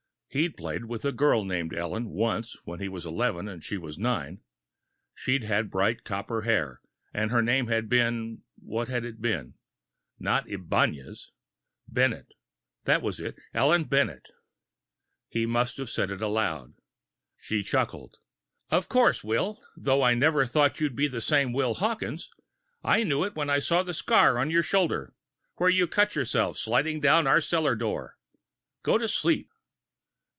He'd played with a girl named Ellen, once when he was eleven and she was nine. She'd had bright copper hair, and her name had been what had it been? Not Ibañez. Bennett, that was it. Ellen Bennett. He must have said it aloud. She chuckled. "Of course, Will. Though I never thought you'd be the same Will Hawkes. I knew it when I saw that scar on your shoulder, where you cut yourself sliding down our cellar door. Go to sleep."